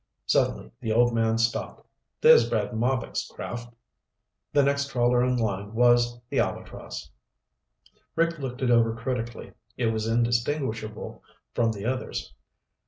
Suddenly the old man stopped. "There's Brad Marbek's craft." The next trawler in line was the Albatross. Rick looked it over critically. It was indistinguishable from the others.